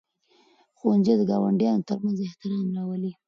ښوونځي د ګاونډیانو ترمنځ احترام راولي.